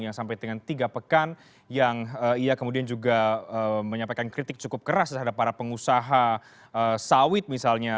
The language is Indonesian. yang sampai dengan tiga pekan yang ia kemudian juga menyampaikan kritik cukup keras terhadap para pengusaha sawit misalnya